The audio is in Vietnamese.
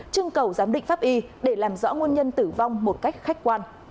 trưng cầu giám định pháp y để làm rõ nguồn nhân tử vong một cách khách quan